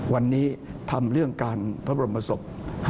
วันนี้ทำเรื่องการพระบรมศพ